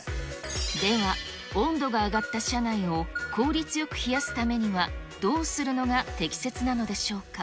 では、温度が上がった車内を効率よく冷やすためにはどうするのが適切なのでしょうか。